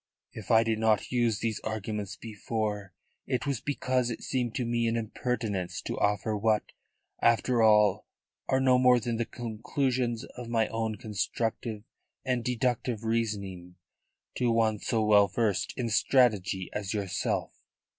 If I did not use these arguments before, it was because it seemed to me an impertinence to offer what, after all, are no more than the conclusions of my own constructive and deductive reasoning to one so well versed in strategy as yourself."